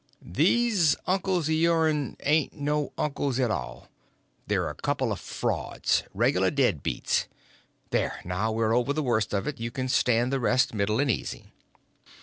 These uncles of yourn ain't no uncles at all; they're a couple of frauds—regular dead beats. There, now we're over the worst of it, you can stand the rest middling easy."